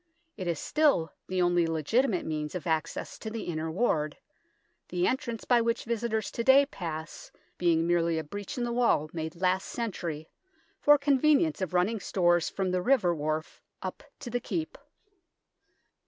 It is still the only legitimate means of access to the Inner Ward, the entrance by which visitors to day pass being merely a breach in the wall made last century for convenience of running stores from the river wharf up to the Keep.